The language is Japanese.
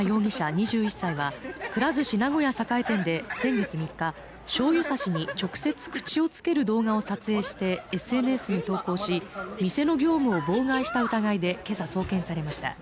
２１歳はくら寿司名古屋栄店で先月３日、しょうゆ差しに直接口をつける動画を撮影してＳＮＳに投稿し、店の業務を妨害した疑いでけさ送検されました。